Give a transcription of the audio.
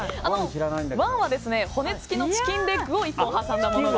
１は骨付きのチキンレッグを１本挟んだものが。